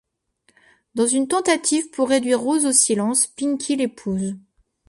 Dans une tentative pour réduire Rose au silence, Pinkie l'épouse.